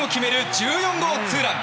１４号ツーラン！